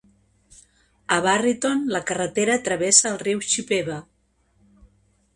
A Barryton, la carretera travessa el riu Chippewa.